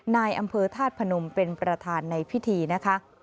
นายอำเภอธาตุพนมเป็นประธานในพิธีนะคะ